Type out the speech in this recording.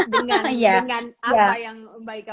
dengan apa yang mbak ika